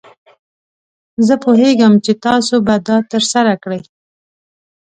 زه پوهیږم چې تاسو به دا ترسره کړئ.